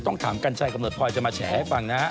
ต้องถามกันใช่กำหนดพลอยจะมาแฉให้ฟังนะฮะ